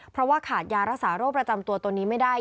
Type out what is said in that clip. เพราะว่าขาดยารักษาโรคประจำตัวตัวนี้ไม่ได้